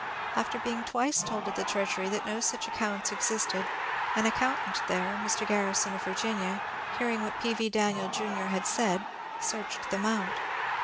After being twice told at the Treasury that no such accounts ex isted, an accountant there, Mr. Grarrison of Virginia, hearing what P. v. Daniel Jr. had said, searched them out.